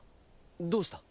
どうした？